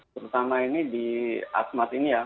terutama ini di asmat ini ya